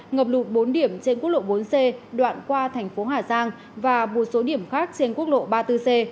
ngập lụt bốn điểm trên quốc lộ bốn c đoạn qua thành phố hà giang và một số điểm khác trên quốc lộ ba mươi bốn c